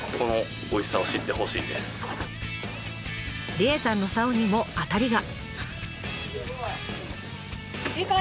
里延さんのさおにも当たりが。